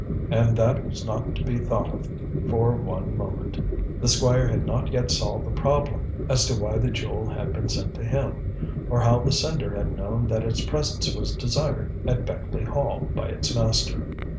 And that was not to be thought of for one moment. The Squire had not yet solved the problem as to why the jewel had been sent to him, or how the sender had known that its presence was desired at Beckleigh Hall by its master.